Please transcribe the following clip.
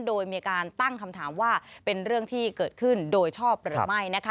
โดยมีการตั้งคำถามว่าเป็นเรื่องที่เกิดขึ้นโดยชอบหรือไม่นะคะ